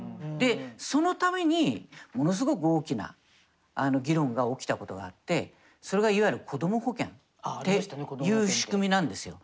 そのためにものすごく大きな議論が起きたことがあってそれがいわゆるこども保険っていう仕組みなんですよ。